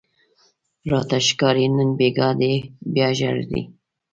راته ښکاري نن بیګاه دې بیا ژړلي